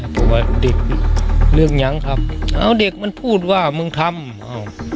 ผมว่าเด็กเรื่องยังครับเอาเด็กมันพูดว่ามึงทำอ้าว